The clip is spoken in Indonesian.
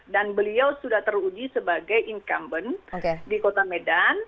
dan beliau sudah teruji sebagai incumbent di kota medan